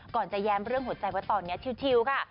ก่อนจะแย้มเรื่องหัวใจว่าตอนนี้ชิวค่ะ